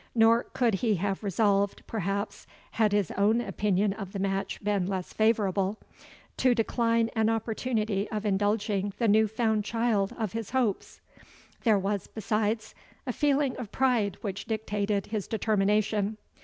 Nor could he have resolved, perhaps, had his own opinion of the match been less favourable, to decline an opportunity of indulging the new found child of his hopes. There was, besides, a feeling of pride which dictated his determination.